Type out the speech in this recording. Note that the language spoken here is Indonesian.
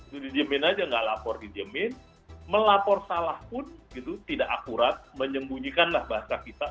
jadi dijamin saja tidak lapor dijamin melapor salah pun tidak akurat menyembunyikan bahasa kita